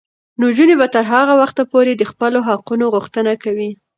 نجونې به تر هغه وخته پورې د خپلو حقونو غوښتنه کوي.